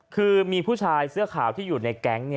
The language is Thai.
คือมีผู้ชายเสื้อขาวที่อยู่ในแก๊ง